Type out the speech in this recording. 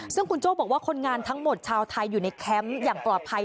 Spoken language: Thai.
ซึ่งคุณโจ้บอกว่าคนงานทั้งหมดชาวไทยอยู่ในแคมป์อย่างปลอดภัย